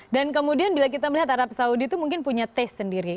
dan kemudian bila kita melihat arab saudi itu mungkin punya taste sendiri